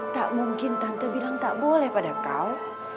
tak mungkin tante bilang tak boleh pada kau